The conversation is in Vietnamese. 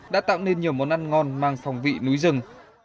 đã tạo nên nhiều món ăn ngon mang phòng vị núi rừng